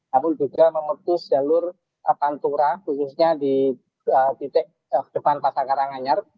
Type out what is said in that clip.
namun juga memutus jalur pantura khususnya di titik depan pasar karanganyar